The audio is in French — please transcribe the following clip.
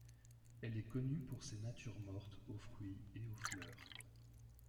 Elle est connue pour ses natures mortes aux fruits et aux fleurs.